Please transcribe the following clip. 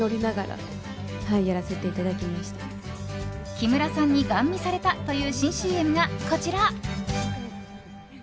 木村さんにガン見されたという新ＣＭがこちら。